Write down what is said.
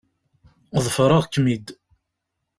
Ḍefreɣ-kem-id.